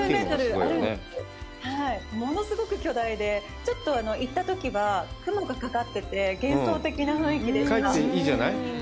物すごく巨大で、ちょっと行ったときは雲がかかってて、幻想的な雰囲気でした。